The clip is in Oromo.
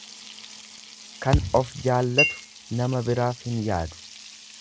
Kan of jaallatu nama biraaf hin yaadu.